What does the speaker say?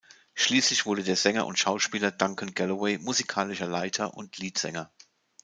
Schließlich wurde der Sänger und Schauspieler Duncan Galloway musikalischer Leiter und Leadsänger.